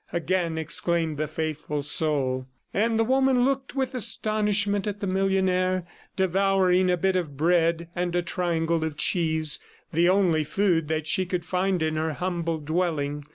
again exclaimed the faithful soul. And the woman looked with astonishment at the millionaire devouring a bit of bread and a triangle of cheese, the only food that she could find in her humble dwelling.